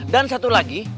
dan satu lagi